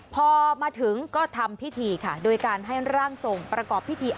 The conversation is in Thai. พอมาถึงก็ทำพิธีค่ะโดยการให้ร่างทรงประกอบพิธี